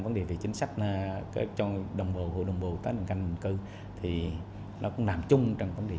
vấn đề về chính sách cho đồng bào hộ đồng bào cá nhân canh định cư cũng làm chung trong vấn đề